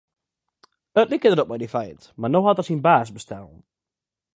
It like derop mei dy feint, mar no hat er syn baas bestellen.